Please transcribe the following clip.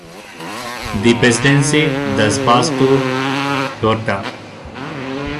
The presidency thus passed to Huerta.